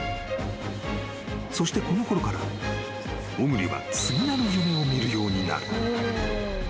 ［そしてこのころから小栗は次なる夢を見るようになる］